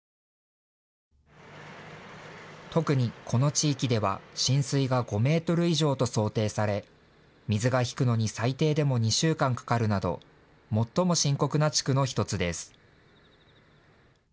特にこの地域では浸水が５メートル以上と想定され水が引くのに最低でも２週間かかるなど最も深刻な地区の１つです。